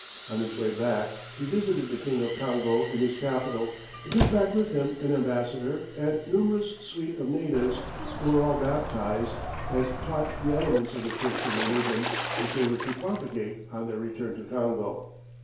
On his way back, he visited the King of Congo in his capital, and took back with him an ambassador and numerous suite of natives, who were all baptized, and taught the elements of the Christian religion, which they were to propagate on their return to Congo.